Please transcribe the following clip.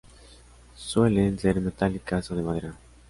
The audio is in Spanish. Suelen ser metálicas o de madera.